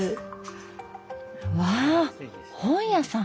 わあ本屋さん！